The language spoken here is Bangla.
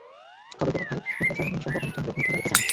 খবর পেয়ে তাঁর ভাই মোকলেছার রহমানসহ কয়েকজন লোক মেয়েটির বাড়িতে যান।